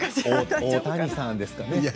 大谷さんですかね。